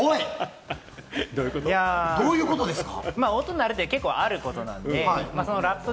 どういうことですか？